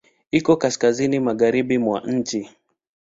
Iko kaskazini magharibi mwa nchi.